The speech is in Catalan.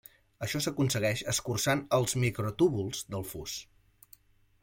Això s'aconsegueix escurçant els microtúbuls del fus.